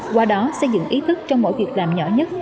qua đó xây dựng ý thức trong mỗi việc làm nhỏ nhất